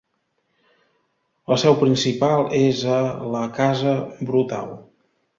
La seu principal és a la Casa Brutau.